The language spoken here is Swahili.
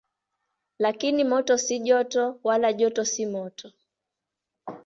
Lakini moto si joto, wala joto si moto.